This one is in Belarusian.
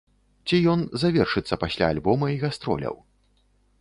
Ці ён завершыцца пасля альбома і гастроляў?